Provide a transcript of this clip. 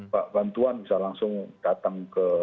pak bantuan bisa langsung datang ke